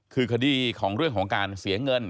คือคดีของเรื่องของการเสียเงิน